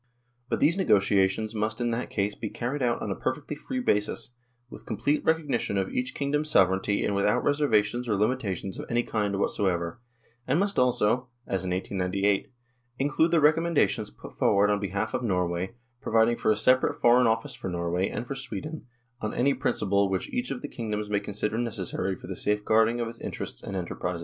But these negotiations must in that case be carried out on a perfectly free basis, with complete recognition of each kingdom's sovereignty and without reservations or limitations of any kind whatsoever, and must also as in 1898 include the recommendations put forward on behalf of Norway providing for a separate Foreign Office for Norway and for Sweden on any principle which each of the kingdoms may consider necessary for the safeguarding of its interests and enterprises.